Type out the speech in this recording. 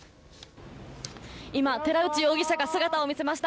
今、寺内容疑者が姿を見せました。